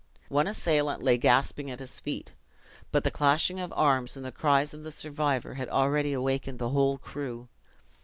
One assailant lay gasping at his feet. But the clashing of arms, and the cries of the survivor had already awakened the whole crew.